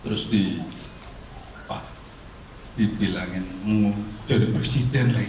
terus dibilangin mau jadi presiden lagi